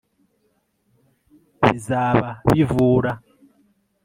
bizaba bivura